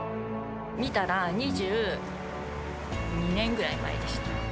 見たら２２年ぐらい前でした。